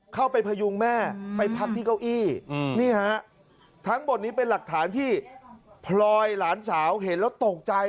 พยุงแม่ไปพักที่เก้าอี้นี่ฮะทั้งหมดนี้เป็นหลักฐานที่พลอยหลานสาวเห็นแล้วตกใจ